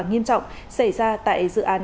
nghiêm trọng xảy ra tại dự án